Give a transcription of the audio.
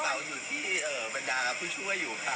เปล่าสุดที่บรรดารับผู้ช่วยอยู่ค่ะ